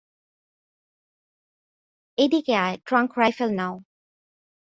এইদিকে আয় trunk rifle নাও!